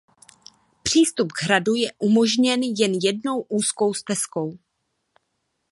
Přístup k hradu je umožněn jen jednou úzkou stezkou.